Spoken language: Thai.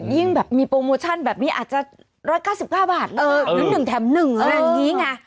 ยิ่งแบบมีโปรโมชั่นแบบนี้อาจจะ๑๙๙บาทนึกหนึ่งแถมหนึ่งแบบนี้ไง